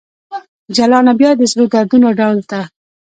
جلانه ! بیا د سرو دردونو ډول ته